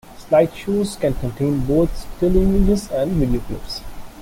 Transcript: Slideshows can contain both still images and video clips.